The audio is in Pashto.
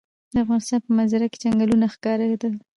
د افغانستان په منظره کې چنګلونه ښکاره ده.